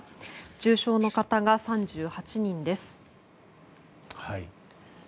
重症の方が３８人です。